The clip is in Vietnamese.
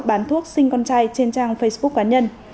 bán thuốc sinh con trai trên trang facebook cá nhân